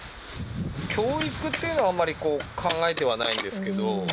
教育っていうのはあまりこう、考えてはないんですけど。